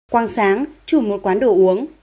quang sáng chủ một quán đồ uống